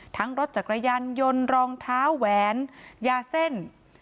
ทั้งรถจักรยันทร์ยนต์รองเท้าแวนยาเส้น